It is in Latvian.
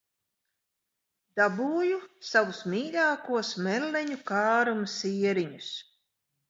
Dabūju savus mīļākos melleņu kāruma sieriņus.